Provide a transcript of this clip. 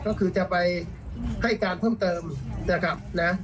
ก็คือจะไปให้การเพิ่มเติมนะครับนะ